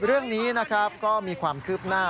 เรื่องนี้ก็มีความคืบหน้า